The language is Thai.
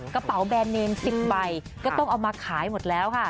กระเป๋าแบรนดเนม๑๐ใบก็ต้องเอามาขายหมดแล้วค่ะ